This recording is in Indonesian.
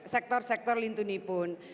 sekitar sektor lintuni pun